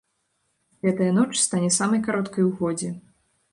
Гэтая ноч стане самай кароткай у годзе.